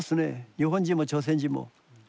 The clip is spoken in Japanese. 日本人も朝鮮人も。